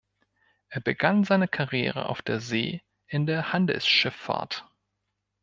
Er begann seine Karriere auf See in der Handelsschifffahrt.